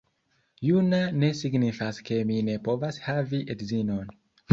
Juna ne signifas ke mi ne povas havi edzinon